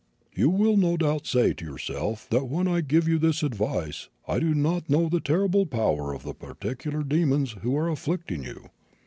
"You will no doubt say to yourself that when I give you this advice I do not know the terrible power of the particular demons who are afflicting you.